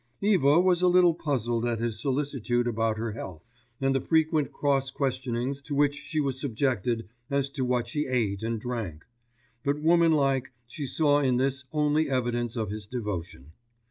Eva was a little puzzled at his solicitude about her health, and the frequent cross questionings to which she was subjected as to what she ate and drank; but woman like she saw in this only evidence of his devotion.